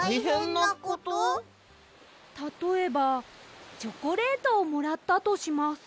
たとえばチョコレートをもらったとします。